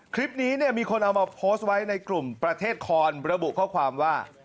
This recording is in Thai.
คลิปนี้เนี่ยมีคนเอามาโพสต์ไว้ในกลุ่มประเทศคอนระบุข้อความว่า